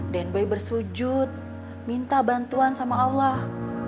dan boy bersujud minta bantuan sama allah